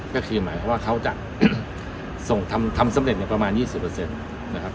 ก็คือหมายความว่าเขาจะส่งทำสำเร็จประมาณ๒๐นะครับ